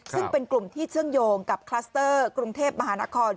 ซึ่งเป็นกลุ่มที่เชื่อมโยงกับคลัสเตอร์กรุงเทพมหานคร